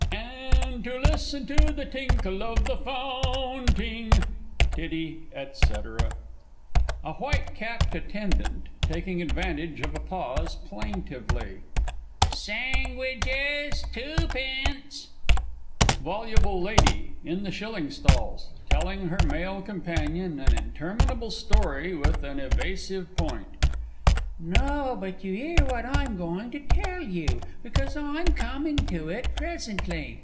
"And to listen to the tinkle of the Foun ting!" (Tiddity, &c.)_ A WHITE CAPPED ATTENDANT (taking advantage of a pause, plaintively). Sengwidges, too pence! [Illustration: THE SISTERS SILVERTWANG.] VOLUBLE LADY in the Shilling Stalls (telling her Male Companion an interminable story with an evasive point). No, but you 'ear what I'm going to tell you, because I'm coming to it presently.